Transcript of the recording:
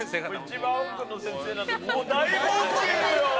一番奥の先生なんてもう大号泣よ！